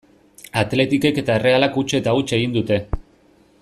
Athleticek eta Errealak huts eta huts egin dute.